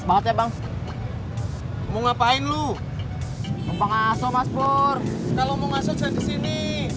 banget ya bang mau ngapain lu ngasut maspur kalau mau ngasut saya disini